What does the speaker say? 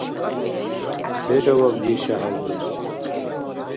Се жаваб гиша хӀези?